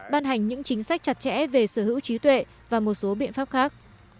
ban hành những chính sách chặt chẽ về sở hữu trí tuệ và một số biện pháp khác